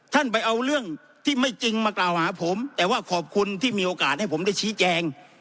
ท่านไปเอาเรื่องที่ไม่จริงมากล่าวหาผมแต่ว่าขอบคุณที่มีโอกาสให้ผมได้ชี้แจง